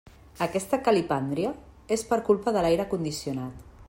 Aquesta calipàndria és per culpa de l'aire condicionat.